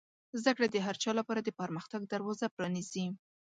زده کړه د هر چا لپاره د پرمختګ دروازه پرانیزي.